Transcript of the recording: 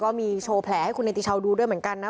ก็มีโชว์แผลให้คุณเนติชาวดูด้วยเหมือนกันนะ